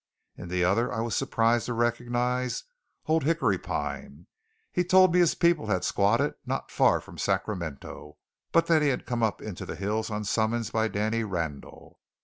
In the other I was surprised to recognize Old Hickory Pine. He told me his people had "squatted" not far from Sacramento, but that he had come up into the hills on summons by Danny Randall.